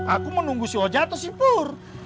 aku mau nunggu si oja atau si pur